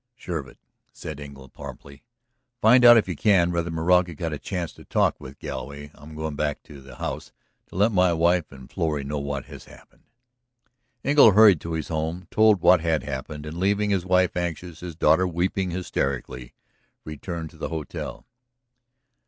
"Sure of it," said Engle promptly. "Find out, if you can, whether Moraga got a chance to talk with Galloway. I'm going back to the house to let my wife and Florrie know what has happened." Engle hurried to his home, told what had happened, and, leaving his wife anxious, his daughter weeping hysterically, returned to the hotel.